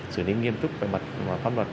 xử lý nghiêm trúc về mặt pháp luật